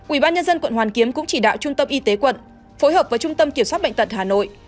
ubnd quận hoàn kiếm cũng chỉ đạo trung tâm y tế quận phối hợp với trung tâm kiểm soát bệnh tật hà nội